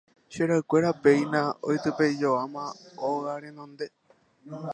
Che ra'ykuéra péina oitypeijoáma óga renonde.